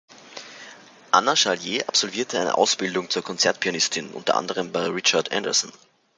Anna Charlier absolvierte eine Ausbildung zur Konzertpianistin; unter anderem bei Richard Andersson.